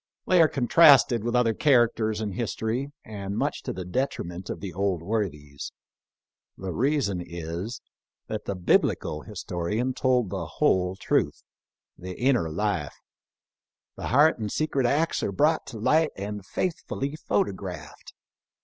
They are contrasted with other characters in history, and much to the detriment of the old worthies. The reason is, that the Biblical historian told the whole truth — the inner life. The heart and secret acts are brought to light and faithfully photographed.